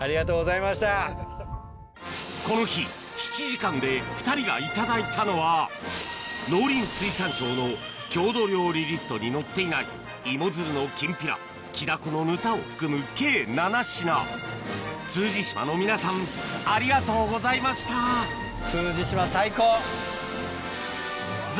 この日７時間で２人がいただいたのは農林水産省の郷土料理リストに載っていない芋づるのきんぴらキダコのヌタを含む計７品通詞島の皆さんありがとうございました『ザ！